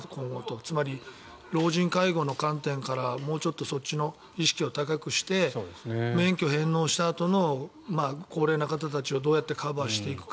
つまり老人介護の観点からもうちょっとそっちの意識を高くして免許返納したあとの高齢の方たちをどうやってカバーしていくか。